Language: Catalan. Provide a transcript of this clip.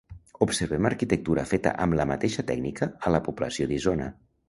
Observem arquitectura feta amb la mateixa tècnica a la població d'Isona.